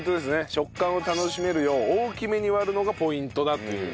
食感を楽しめるよう大きめに割るのがポイントだという。